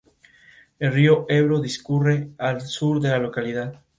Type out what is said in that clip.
Luego cursó jurisprudencia en la Universidad Mayor de San Marcos.